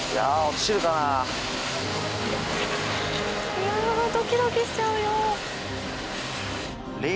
いやあドキドキしちゃうよ。